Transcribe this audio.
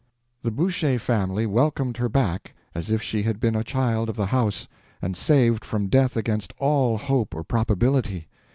The Boucher family welcomed her back as if she had been a child of the house, and saved from death against all hope or probability.